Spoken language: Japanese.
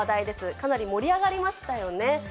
かなり盛り上がりましたよね。